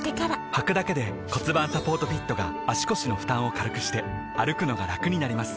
はくだけで骨盤サポートフィットが腰の負担を軽くして歩くのがラクになります